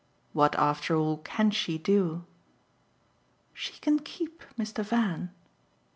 "What after all can she do?" "She can KEEP Mr. Van." Mr.